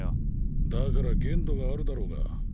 だから限度があるだろうが。